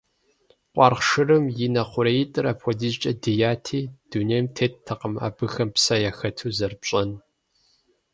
Къуаргъ шырым и нэ хъуреитӀыр апхуэдизкӀэ дияти, дунейм теттэкъым абыхэм псэ яхэту зэрыпщӀэн.